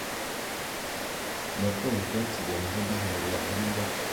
Me pong ke pfubo mbvunda mur ga limbo.